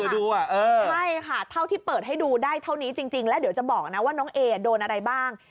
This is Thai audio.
ใช่ค่ะเท่าที่เปิดให้ดูได้เท่านี้จริงแล้วเดี๋ยวจะบอกนะว่าน้องเอโดนอะไรบ้าง